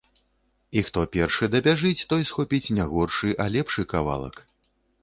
І хто першы дабяжыць, той схопіць не горшы, а лепшы кавалак.